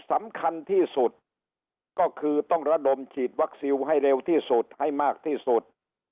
สำคัญที่สุดก็คือต้องระดมฉีดวัคซีนให้เร็วที่สุดให้มากที่สุด